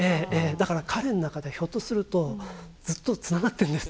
だから彼の中ではひょっとするとずっとつながってるんです。